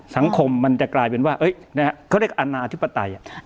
สังคมมันจะกลายเป็นว่ากล้าวได้รูปอัณหาอธิบดาย